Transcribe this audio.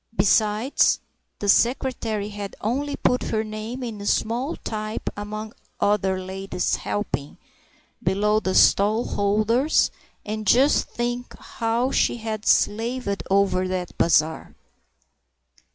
Besides, the secretary had only put her name in small type among "other ladies helping" below the stallholders, and just think how she had slaved over that bazaar!).